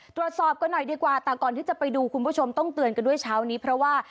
ตรวจสอบกันหน่อยดีกว่าแต่ก่อนที่จะไปดูคุณผู้ชมต้องเตือนกันด้วยเช้านี้เพราะว่า